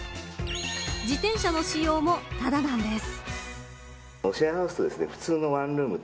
自転車の使用も、ただなんです。